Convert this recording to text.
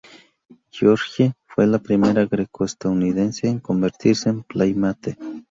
George fue la primera greco-estadounidense en convertirse en Playmate.